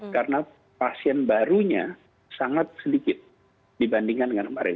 karena pasien barunya sangat sedikit dibandingkan dengan kemarin